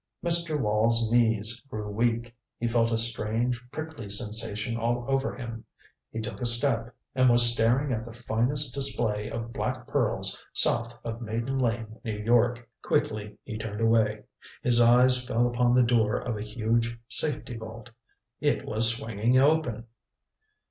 Mr. Wall's knees grew weak. He felt a strange prickly sensation all over him. He took a step and was staring at the finest display of black pearls south of Maiden Lane, New York. Quickly he turned away. His eyes fell upon the door of a huge safety vault. It was swinging open!